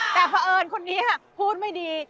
แต่เผอิญคนนี้พูดไม่ดี